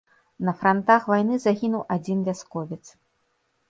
На франтах вайны загінуў адзін вясковец.